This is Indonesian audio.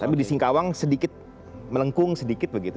tapi di singkawang sedikit melengkung sedikit begitu